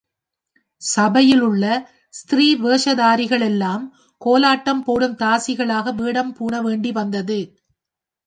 சபையிலுள்ள ஸ்திரீ வேஷதாரிகளெல்லாம் கோலாட்டம் போடும் தாசிகளாக வேடம் பூண வேண்டி வந்தது.